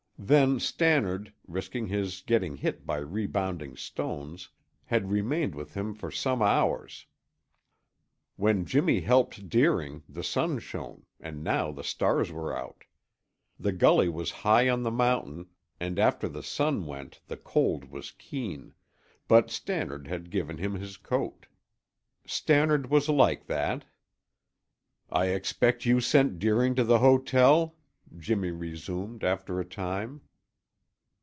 Then Stannard, risking his getting hit by rebounding stones, had remained with him for some hours. When Jimmy helped Deering the sun shone, and now the stars were out. The gully was high on the mountain and after the sun went the cold was keen, but Stannard had given him his coat. Stannard was like that. "I expect you sent Deering to the hotel?" Jimmy resumed after a time.